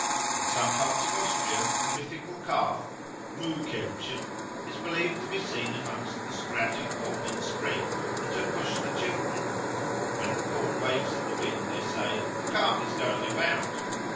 In some parts of Austria a mythical calf (Muhkälbchen) is believed to be seen amongst the sprouting corn in spring and to push the children; when the corn waves in the wind they say, "The Calf is going about."